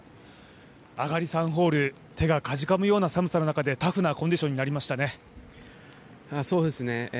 上がり３ホール、手がかじかむような寒さの中でタフなコンディションになりましたね。